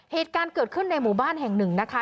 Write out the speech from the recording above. เหตุการณ์เกิดขึ้นในหมู่บ้านแห่งหนึ่งนะคะ